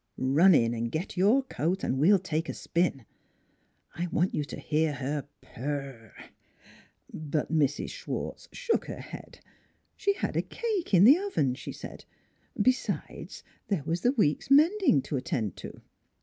Run in and get your coat and we'll take a spin. I want you to hear her purr." But Mrs. Schwartz shook her head. She had a cake in the oven, she said. Besides, there was the week's mending to attend to.